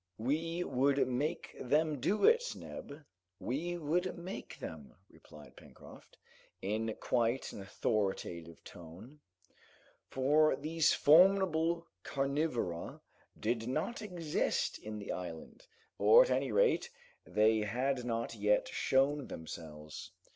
"We would make them do it, Neb, we would make them," replied Pencroft, in quite an authoritative tone. But these formidable carnivora did not exist in the island, or at any rate they had not yet shown themselves.